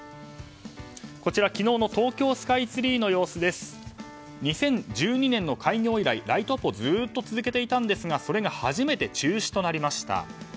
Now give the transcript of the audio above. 昨日の東京スカイツリーの様子ですが２０１２年の開業以来ライトアップをずっと続けていたんですがそれが初めて中止となりました。